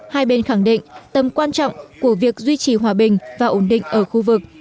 hai bên khẳng định tầm quan trọng của việc duy trì hòa bình và ổn định ở khu vực